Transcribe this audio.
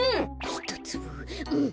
ひとつぶうん！